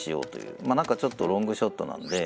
まあ何かちょっとロングショットなので。